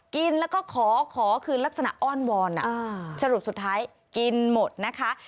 กินแล้วก็ขอขอคืนลักษณะอ้อนวอนสรุปสุดท้ายกินหมดนะคะ